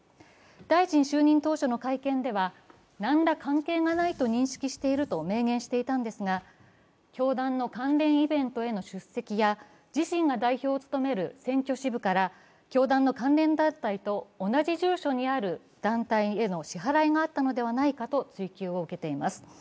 大臣就任当初の会見では何ら関係がないと認識していると明言していましたが教団の関連イベントへの出席や自身が代表を務める選挙支部から教団の関連団体と同じ住所にある団体への支払いがあったのではないかと追及を受けています。